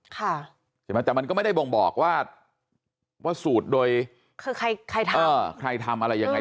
แต่มันก็ไม่ได้บ่งบอกว่าสูดโดยใครทำอะไรยังไง